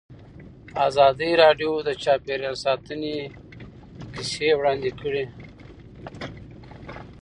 ازادي راډیو د چاپیریال ساتنه کیسې وړاندې کړي.